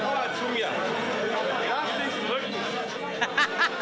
ハハハハ！